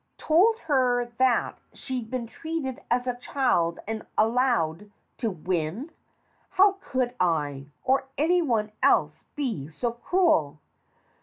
Told her that she'd been treated as a child and allowed to win? How could I, or anyone else, be so cruel?